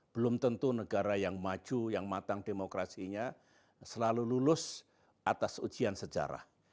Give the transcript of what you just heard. belum tentu negara yang maju yang matang demokrasinya selalu lulus atas ujian sejarah